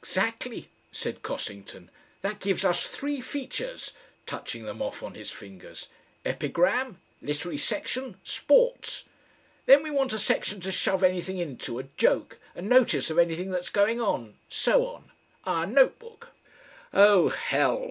"Exactly," said Cossington. "That gives us three features," touching them off on his fingers, "Epigram, Literary Section, Sports. Then we want a section to shove anything into, a joke, a notice of anything that's going on. So on. Our Note Book." "Oh, Hell!"